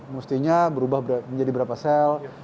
mestinya berubah menjadi berapa sel